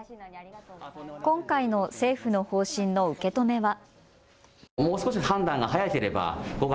今回の政府の方針の受け止めは。